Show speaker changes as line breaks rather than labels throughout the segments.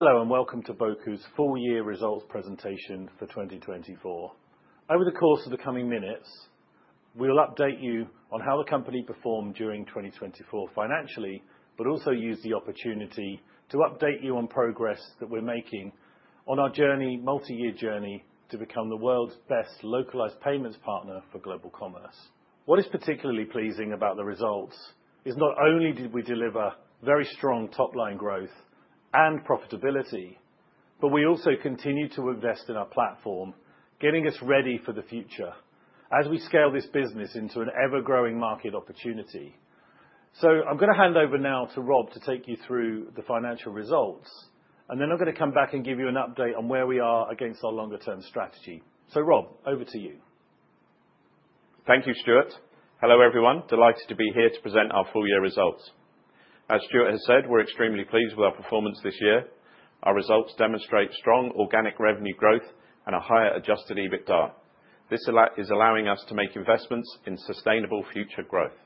Hello, and welcome to Boku's full-year results presentation for 2024. Over the course of the coming minutes, we'll update you on how the company performed during 2024 financially, but also use the opportunity to update you on progress that we're making on our multi-year journey to become the world's best localized payments partner for global commerce. What is particularly pleasing about the results is not only did we deliver very strong top-line growth and profitability, but we also continue to invest in our platform, getting us ready for the future as we scale this business into an ever-growing market opportunity. I'm going to hand over now to Rob to take you through the financial results, and then I'm going to come back and give you an update on where we are against our longer-term strategy. Rob, over to you.
Thank you, Stuart. Hello everyone. Delighted to be here to present our full-year results. As Stuart has said, we're extremely pleased with our performance this year. Our results demonstrate strong organic revenue growth and a higher Adjusted EBITDA. This is allowing us to make investments in sustainable future growth,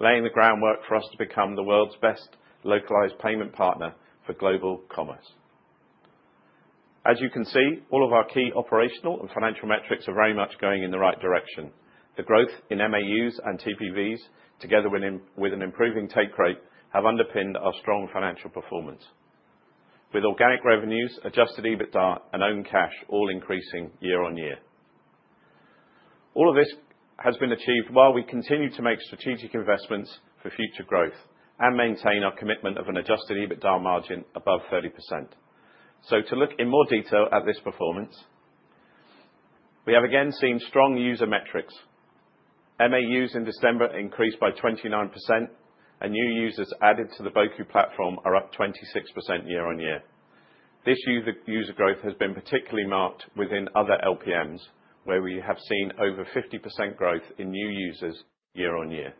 laying the groundwork for us to become the world's best localized payment partner for global commerce. As you can see, all of our key operational and financial metrics are very much going in the right direction. The growth in MAUs and TPVs, together with an improving take rate, have underpinned our strong financial performance, with organic revenues, Adjusted EBITDA, and Own Cash all increasing year-on-year. All of this has been achieved while we continue to make strategic investments for future growth and maintain our commitment of an Adjusted EBITDA margin above 30%. To look in more detail at this performance, we have again seen strong user metrics. MAUs in December increased by 29%, and new users added to the Boku platform are up 26% year-on-year. This user growth has been particularly marked within other LPMs, where we have seen over 50% growth in new users year-on-year.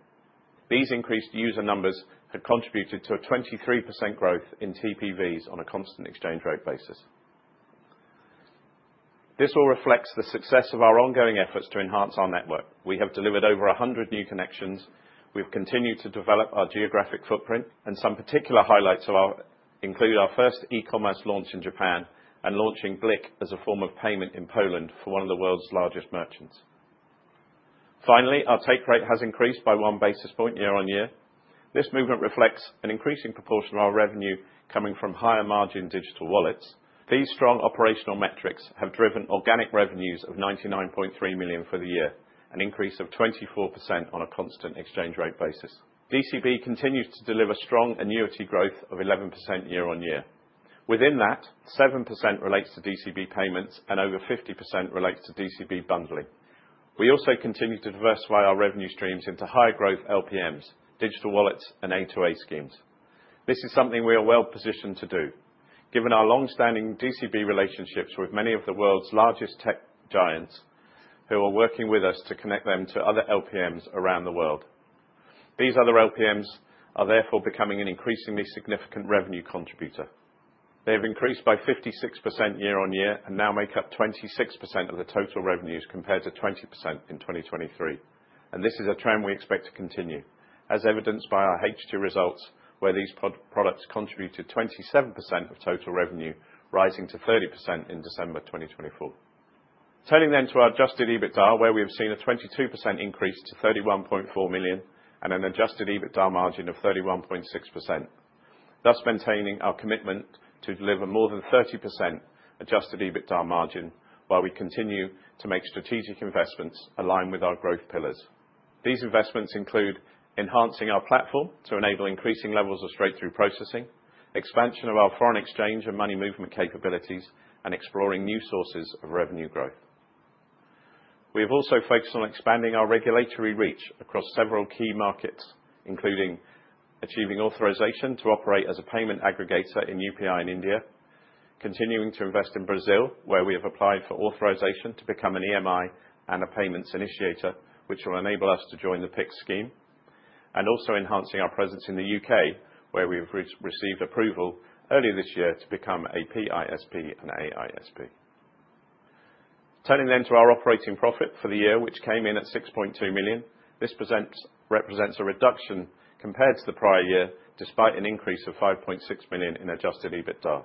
These increased user numbers have contributed to a 23% growth in TPVs on a constant exchange rate basis. This all reflects the success of our ongoing efforts to enhance our network. We have delivered over 100 new connections. We have continued to develop our geographic footprint, and some particular highlights include our first e-commerce launch in Japan and launching BLIK as a form of payment in Poland for one of the world's largest merchants. Finally, our take rate has increased by one basis point year-on-year. This movement reflects an increasing proportion of our revenue coming from higher margin digital wallets. These strong operational metrics have driven organic revenues of $99.3 million for the year, an increase of 24% on a constant exchange rate basis. DCB continues to deliver strong annuity growth of 11% year-on-year. Within that, 7% relates to DCB payments, and over 50% relates to DCB bundling. We also continue to diversify our revenue streams into higher growth LPMs, digital wallets, and A2A schemes. This is something we are well positioned to do, given our long-standing DCB relationships with many of the world's largest tech giants who are working with us to connect them to other LPMs around the world. These other LPMs are therefore becoming an increasingly significant revenue contributor. They have increased by 56% year-on-year and now make up 26% of the total revenues compared to 20% in 2023. This is a trend we expect to continue, as evidenced by our H2 results, where these products contributed 27% of total revenue, rising to 30% in December 2024. Turning then to our Adjusted EBITDA, where we have seen a 22% increase to $31.4 million and an Adjusted EBITDA margin of 31.6%, thus maintaining our commitment to deliver more than 30% Adjusted EBITDA margin while we continue to make strategic investments aligned with our growth pillars. These investments include enhancing our platform to enable increasing levels of straight-through processing, expansion of our foreign exchange and money movement capabilities, and exploring new sources of revenue growth. We have also focused on expanding our regulatory reach across several key markets, including achieving authorization to operate as a payment aggregator in UPI in India, continuing to invest in Brazil, where we have applied for authorization to become an EMI and a payments initiator, which will enable us to join the Pix scheme, and also enhancing our presence in the U.K., where we have received approval earlier this year to become a PISP and AISP. Turning then to our operating profit for the year, which came in at $6.2 million, this represents a reduction compared to the prior year, despite an increase of $5.6 million in Adjusted EBITDA.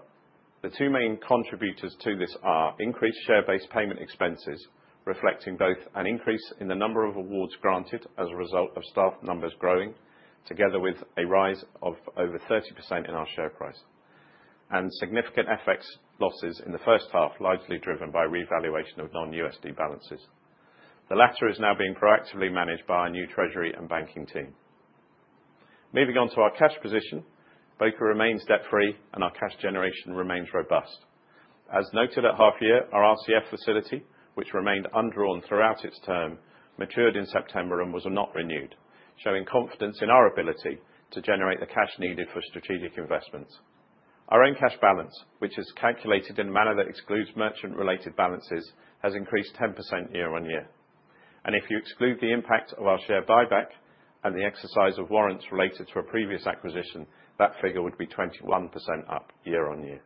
The two main contributors to this are increased share-based payment expenses, reflecting both an increase in the number of awards granted as a result of staff numbers growing, together with a rise of over 30% in our share price, and significant FX losses in the first half, largely driven by revaluation of non-USD balances. The latter is now being proactively managed by our new treasury and banking team. Moving on to our cash position, Boku remains debt-free, and our cash generation remains robust. As noted at half-year, our RCF facility, which remained undrawn throughout its term, matured in September and was not renewed, showing confidence in our ability to generate the cash needed for strategic investments. Our Own Cash balance, which is calculated in a manner that excludes merchant-related balances, has increased 10% year-on-year. If you exclude the impact of our share buyback and the exercise of warrants related to a previous acquisition, that figure would be 21% up year-on-year.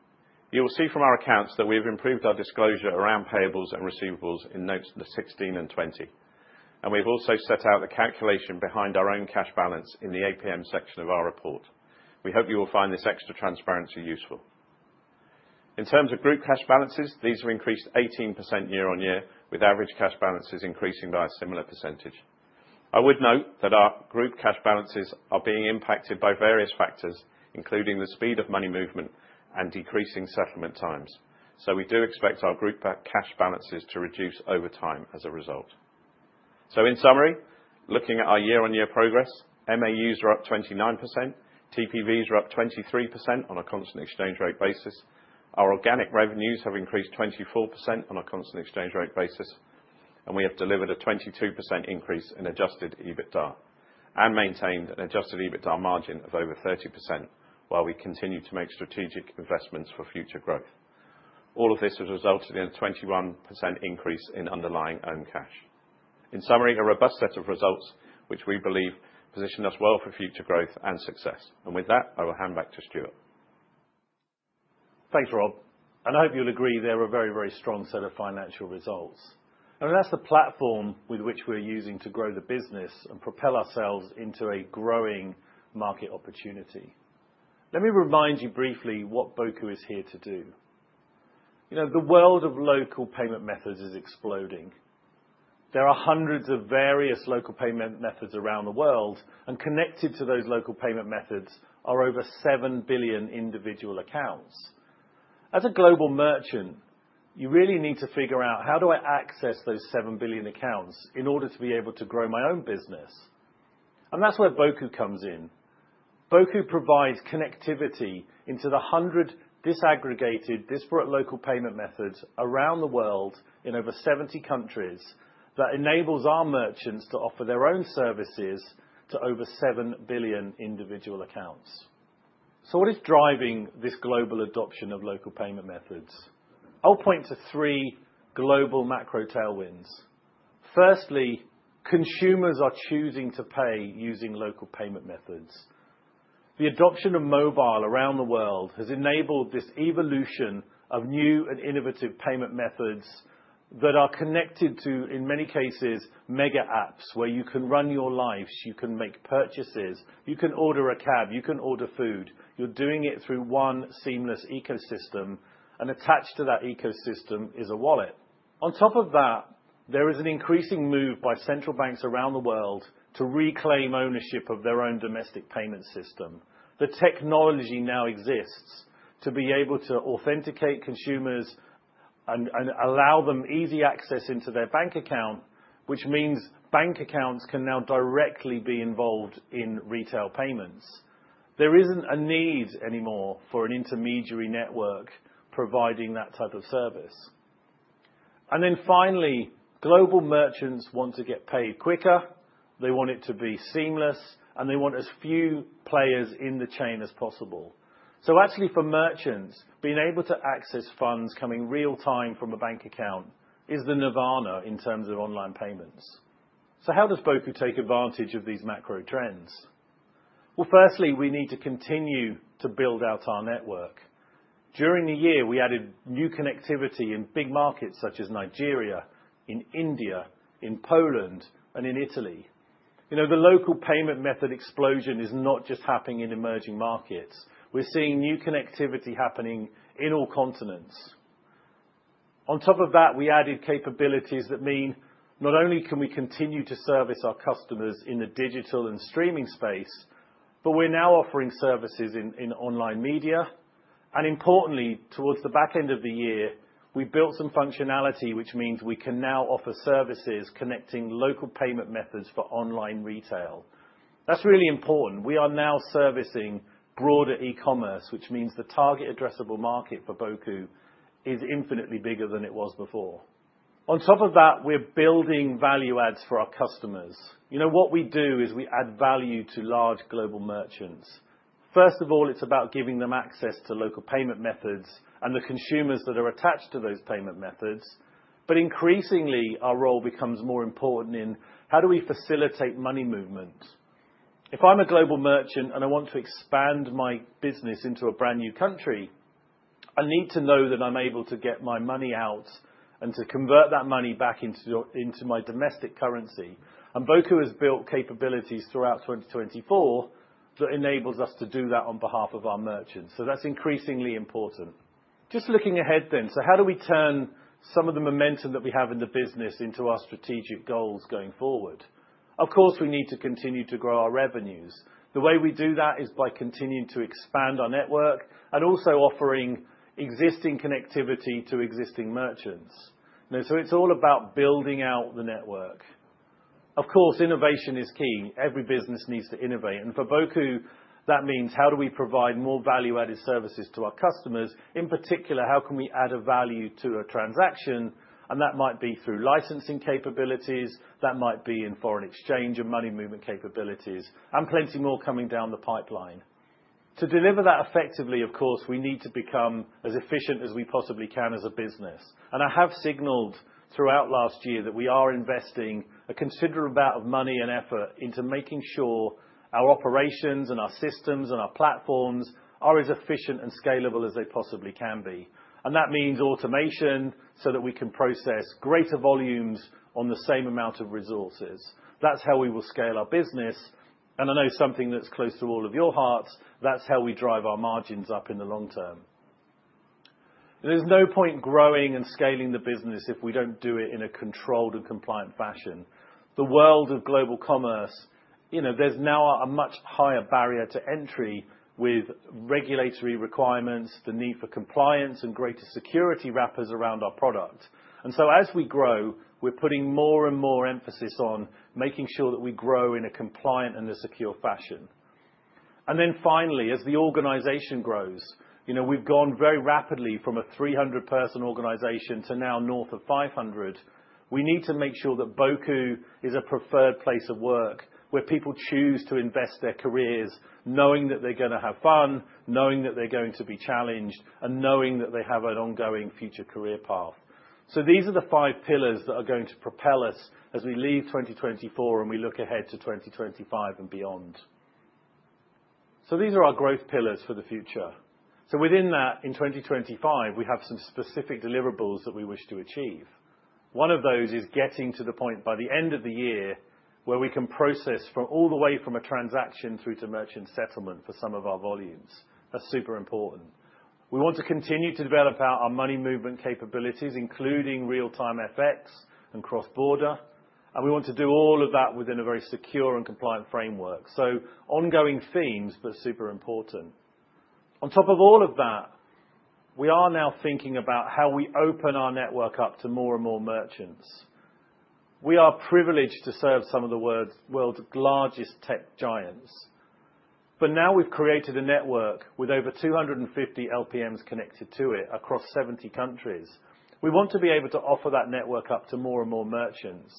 You will see from our accounts that we have improved our disclosure around payables and receivables in Notes 16 and 20, and we have also set out the calculation behind our Own Cash balance in the APM section of our report. We hope you will find this extra transparency useful. In terms of group cash balances, these have increased 18% year-on-year, with average cash balances increasing by a similar percentage. I would note that our group cash balances are being impacted by various factors, including the speed of money movement and decreasing settlement times. We do expect our group cash balances to reduce over time as a result. In summary, looking at our year-on-year progress, MAUs are up 29%, TPVs are up 23% on a constant exchange rate basis, our organic revenues have increased 24% on a constant exchange rate basis, and we have delivered a 22% increase in Adjusted EBITDA and maintained an Adjusted EBITDA margin of over 30% while we continue to make strategic investments for future growth. All of this has resulted in a 21% increase in underlying Own Cash. In summary, a robust set of results, which we believe position us well for future growth and success. With that, I will hand back to Stuart.
Thanks, Rob. I hope you'll agree they're a very, very strong set of financial results. That's the platform with which we're using to grow the business and propel ourselves into a growing market opportunity. Let me remind you briefly what Boku is here to do. The world of local payment methods is exploding. There are hundreds of various local payment methods around the world, and connected to those local payment methods are over 7 billion individual accounts. As a global merchant, you really need to figure out, how do I access those 7 billion accounts in order to be able to grow my own business? That's where Boku comes in. Boku provides connectivity into the 100 disaggregated, disparate local payment methods around the world in over 70 countries that enables our merchants to offer their own services to over 7 billion individual accounts. What is driving this global adoption of local payment methods? I'll point to three global macro tailwinds. Firstly, consumers are choosing to pay using local payment methods. The adoption of mobile around the world has enabled this evolution of new and innovative payment methods that are connected to, in many cases, mega apps, where you can run your lives, you can make purchases, you can order a cab, you can order food. You're doing it through one seamless ecosystem, and attached to that ecosystem is a wallet. On top of that, there is an increasing move by central banks around the world to reclaim ownership of their own domestic payment system. The technology now exists to be able to authenticate consumers and allow them easy access into their bank account, which means bank accounts can now directly be involved in retail payments. There isn't a need anymore for an intermediary network providing that type of service. Finally, global merchants want to get paid quicker. They want it to be seamless, and they want as few players in the chain as possible. Actually, for merchants, being able to access funds coming real-time from a bank account is the nirvana in terms of online payments. How does Boku take advantage of these macro trends? Firstly, we need to continue to build out our network. During the year, we added new connectivity in big markets such as Nigeria, India, Poland, and Italy. The local payment method explosion is not just happening in emerging markets. We're seeing new connectivity happening in all continents. On top of that, we added capabilities that mean not only can we continue to service our customers in the digital and streaming space, but we're now offering services in online media. Importantly, towards the back end of the year, we built some functionality, which means we can now offer services connecting local payment methods for online retail. That's really important. We are now servicing broader e-commerce, which means the target addressable market for Boku is infinitely bigger than it was before. On top of that, we're building value adds for our customers. What we do is we add value to large global merchants. First of all, it's about giving them access to local payment methods and the consumers that are attached to those payment methods. Increasingly, our role becomes more important in how do we facilitate money movement. If I'm a global merchant and I want to expand my business into a brand new country, I need to know that I'm able to get my money out and to convert that money back into my domestic currency. Boku has built capabilities throughout 2024 that enables us to do that on behalf of our merchants. That is increasingly important. Just looking ahead then, how do we turn some of the momentum that we have in the business into our strategic goals going forward? Of course, we need to continue to grow our revenues. The way we do that is by continuing to expand our network and also offering existing connectivity to existing merchants. It is all about building out the network. Innovation is key. Every business needs to innovate. For Boku, that means how do we provide more value-added services to our customers? In particular, how can we add a value to a transaction? That might be through licensing capabilities. That might be in foreign exchange and money movement capabilities, and plenty more coming down the pipeline. To deliver that effectively, of course, we need to become as efficient as we possibly can as a business. I have signaled throughout last year that we are investing a considerable amount of money and effort into making sure our operations and our systems and our platforms are as efficient and scalable as they possibly can be. That means automation so that we can process greater volumes on the same amount of resources. That is how we will scale our business. I know something that is close to all of your hearts. That is how we drive our margins up in the long term. is no point growing and scaling the business if we do not do it in a controlled and compliant fashion. The world of global commerce, there is now a much higher barrier to entry with regulatory requirements, the need for compliance, and greater security wrappers around our product. As we grow, we are putting more and more emphasis on making sure that we grow in a compliant and a secure fashion. Finally, as the organization grows, we have gone very rapidly from a 300-person organization to now north of 500. We need to make sure that Boku is a preferred place of work where people choose to invest their careers, knowing that they are going to have fun, knowing that they are going to be challenged, and knowing that they have an ongoing future career path. These are the five pillars that are going to propel us as we leave 2024 and we look ahead to 2025 and beyond. These are our growth pillars for the future. Within that, in 2025, we have some specific deliverables that we wish to achieve. One of those is getting to the point by the end of the year where we can process all the way from a transaction through to merchant settlement for some of our volumes. That's super important. We want to continue to develop our money movement capabilities, including real-time FX and cross-border. We want to do all of that within a very secure and compliant framework. Ongoing themes, but super important. On top of all of that, we are now thinking about how we open our network up to more and more merchants. We are privileged to serve some of the world's largest tech giants. We have created a network with over 250 LPMs connected to it across 70 countries. We want to be able to offer that network up to more and more merchants.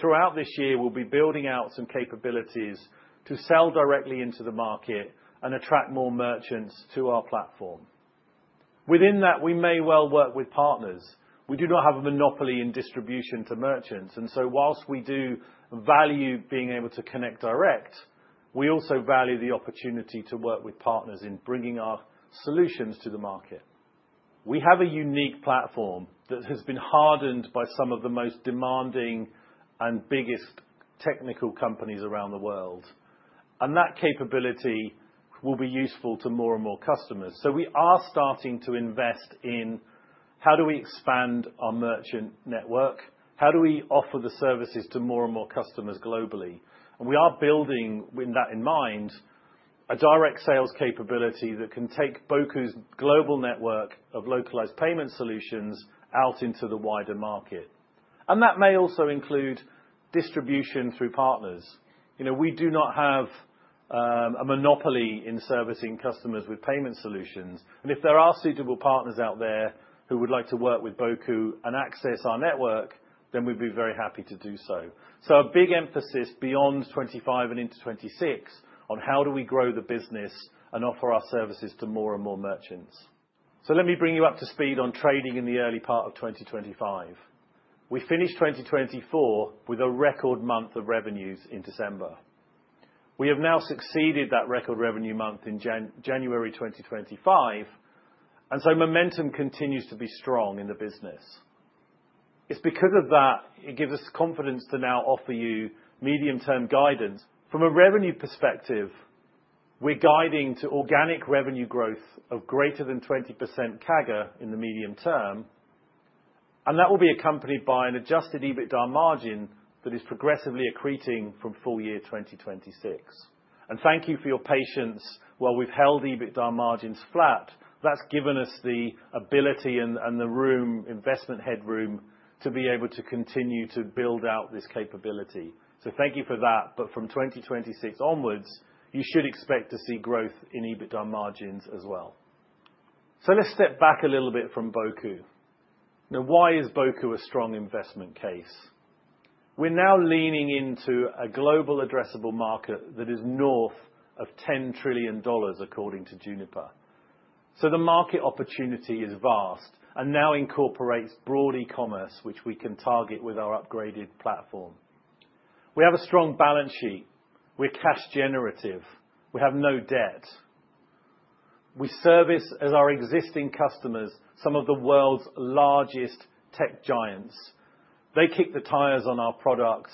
Throughout this year, we will be building out some capabilities to sell directly into the market and attract more merchants to our platform. Within that, we may well work with partners. We do not have a monopoly in distribution to merchants. Whilst we do value being able to connect direct, we also value the opportunity to work with partners in bringing our solutions to the market. We have a unique platform that has been hardened by some of the most demanding and biggest technical companies around the world. That capability will be useful to more and more customers. We are starting to invest in how do we expand our merchant network? How do we offer the services to more and more customers globally? We are building, with that in mind, a direct sales capability that can take Boku's global network of localized payment solutions out into the wider market. That may also include distribution through partners. We do not have a monopoly in servicing customers with payment solutions. If there are suitable partners out there who would like to work with Boku and access our network, then we'd be very happy to do so. A big emphasis beyond 2025 and into 2026 on how do we grow the business and offer our services to more and more merchants. Let me bring you up to speed on trading in the early part of 2025. We finished 2024 with a record month of revenues in December. We have now succeeded that record revenue month in January 2025. Momentum continues to be strong in the business. It's because of that, it gives us confidence to now offer you medium-term guidance. From a revenue perspective, we're guiding to organic revenue growth of greater than 20% CAGR in the medium term. That will be accompanied by an Adjusted EBITDA margin that is progressively accreting from full year 2026. Thank you for your patience while we've held EBITDA margins flat. That's given us the ability and the investment headroom to be able to continue to build out this capability. Thank you for that. From 2026 onwards, you should expect to see growth in EBITDA margins as well. Let's step back a little bit from Boku. Now, why is Boku a strong investment case? We're now leaning into a global addressable market that is north of $10 trillion, according to Juniper. The market opportunity is vast and now incorporates broad e-commerce, which we can target with our upgraded platform. We have a strong balance sheet. We're cash generative. We have no debt. We service as our existing customers, some of the world's largest tech giants. They kick the tires on our product.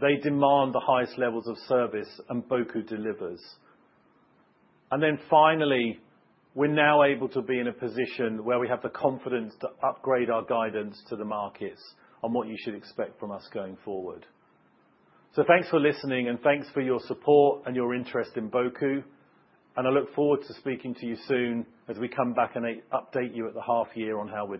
They demand the highest levels of service, and Boku delivers. Finally, we're now able to be in a position where we have the confidence to upgrade our guidance to the markets on what you should expect from us going forward. Thanks for listening, and thanks for your support and your interest in Boku. I look forward to speaking to you soon as we come back and update you at the half year on how we.